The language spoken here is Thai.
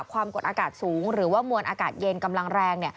ความกดอากาศสูงหรือว่ามวลอากาศเย็นกำลังแรง